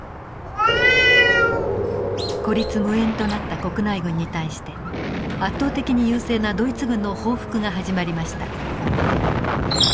孤立無援となった国内軍に対して圧倒的に優勢なドイツ軍の報復が始まりました。